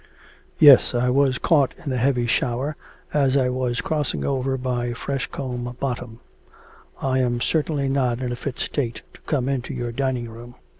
'Yes, I was caught in a heavy shower as I was crossing over by Fresh Combe bottom. I am certainly not in a fit state to come into your dining room.'